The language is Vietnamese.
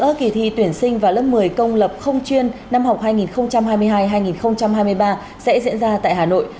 các kỳ thi tuyển sinh vào lớp một mươi công lập không chuyên năm học hai nghìn hai mươi hai hai nghìn hai mươi ba sẽ diễn ra tại hà nội